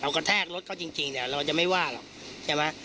เอากระแทกรถเขาจริงแต่เราจะไม่ว่าหรอกใช่ไหม